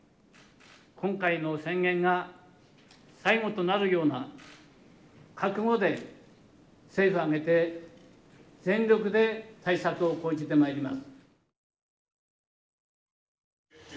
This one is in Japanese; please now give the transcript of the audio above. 今回の宣言が最後となるような覚悟で政府を挙げて全力で対策を講じてまいります。